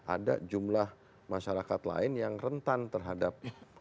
ada jumlah masyarakat lain yang rentan terhadap